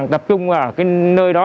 tập trung ở nơi đó